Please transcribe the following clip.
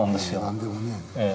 何でもね。